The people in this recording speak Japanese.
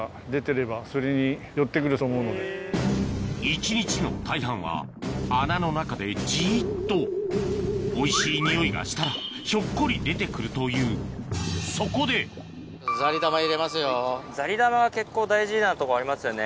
一日の大半は穴の中でじっとおいしい匂いがしたらひょっこり出て来るというそこでザリ玉入れますよ。